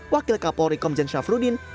wakil kapolri komjen syafrudin